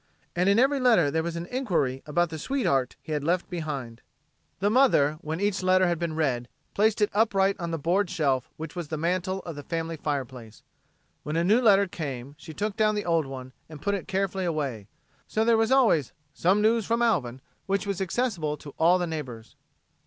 And in every letter there was an inquiry about the sweetheart he had left behind. The mother, when each letter had been read, placed it upright on the board shelf which was the mantel of the family fireplace. When a new letter came she took down the old one and put it carefully away. So there was always "some news from Alvin" which was accessible to all the neighbors.